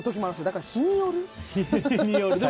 だから日による。